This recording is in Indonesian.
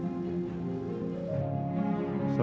sudara tidak tahu